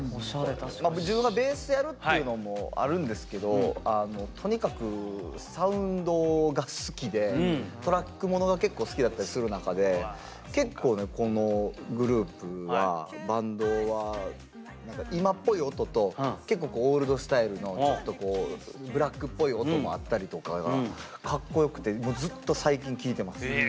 自分がベースやるっていうのもあるんですけどとにかくサウンドが好きでトラックものが結構好きだったりする中で結構ねこのグループはバンドは何か今っぽい音と結構オールドスタイルのちょっとブラックっぽい音もあったりとかがかっこよくてもうずっと最近聴いてます。